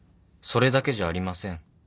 それだけじゃありません。